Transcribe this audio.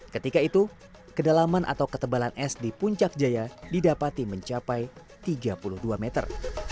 ketika itu kedalaman atau ketebalan es di puncak jaya didapati mencapai tiga puluh dua meter